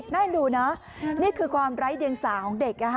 น่าดูนะนี่คือความไร้เดียงสาของเด็ก